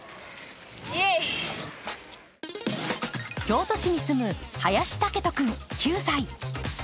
京都市に住む林健斗君９歳。